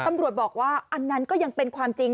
ตำรวจบอกว่าอันนั้นก็ยังเป็นความจริง